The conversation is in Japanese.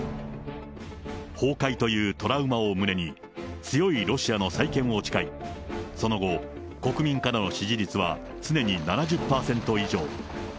崩壊というトラウマを胸に、強いロシアの再建を誓い、その後、国民からの支持率は常に７０％以上。